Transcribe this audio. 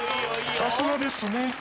さすがですね。